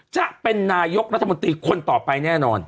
จะเป็นนายกรัฐมนตรีคนต่อไปแน่นอน